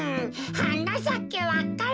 「はなさけわか蘭」